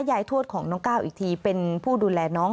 ทวดของน้องก้าวอีกทีเป็นผู้ดูแลน้อง